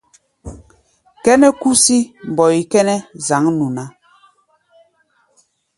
Kʼɛ́nɛ́ kúsí mbɔi kʼɛ́nɛ́ zǎŋnu ná.